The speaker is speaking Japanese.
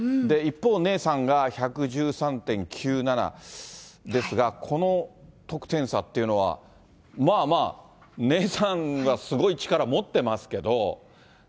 一方、ネイサンが１１３．９７ですが、この得点差っていうのは、まあまあ、ネイサンはすごい力を持ってますけど。